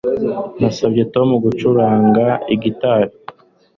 Nasabye Tom gucuranga gitari